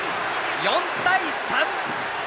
４対３！